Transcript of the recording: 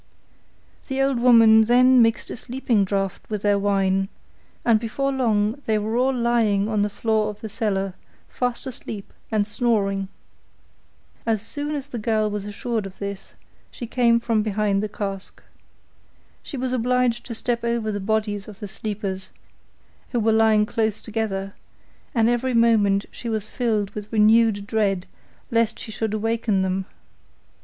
The old woman then mixed a sleeping draught with their wine, and before long they were all lying on the floor of the cellar, fast asleep and snoring. As soon as the girl was assured of this, she came from behind the cask. She was obliged to step over the bodies of the sleepers, who were lying close together, and every moment she was filled with renewed dread lest she should awaken them.